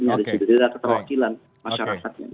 tidak ada keterwakilan masyarakat